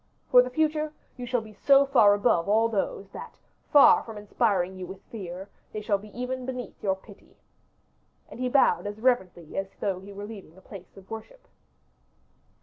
For the future, you shall be so far above all those, that, far from inspiring you with fear, they shall be even beneath your pity." And he bowed as reverently as though he were leaving a place of worship.